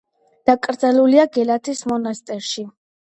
დაკრძალულია გელათის მონასტერში.